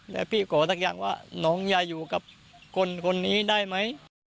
แล้วพี่ขอสักอย่างว่าน้องอย่าอยู่กับคนนี้ได้ไหม